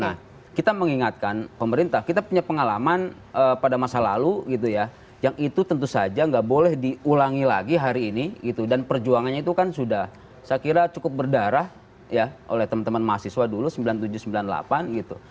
nah kita mengingatkan pemerintah kita punya pengalaman pada masa lalu gitu ya yang itu tentu saja nggak boleh diulangi lagi hari ini gitu dan perjuangannya itu kan sudah saya kira cukup berdarah ya oleh teman teman mahasiswa dulu sembilan puluh tujuh sembilan puluh delapan gitu